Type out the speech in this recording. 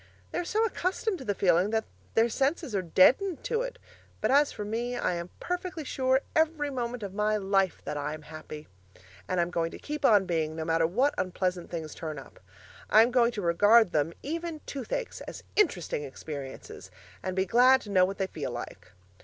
They are so accustomed to the feeling that their senses are deadened to it; but as for me I am perfectly sure every moment of my life that I am happy. And I'm going to keep on being, no matter what unpleasant things turn up. I'm going to regard them (even toothaches) as interesting experiences, and be glad to know what they feel like.